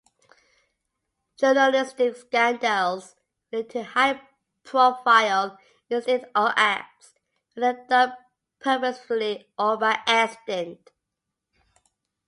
Journalistic scandals relate to high-profile incidents or acts, whether done purposefully or by accident.